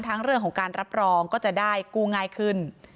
เรื่องของการรับรองก็จะได้กู้ง่ายขึ้น